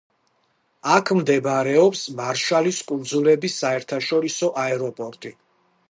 აქ მდებარეობს მარშალის კუნძულების საერთაშორისო აეროპორტი.